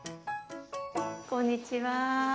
こんにちは。